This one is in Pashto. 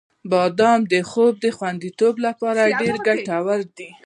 • بادام د خوب خوندیتوب لپاره ډېر ګټور دی.